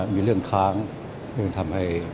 มีเรื่องค้างเรื่องทำให้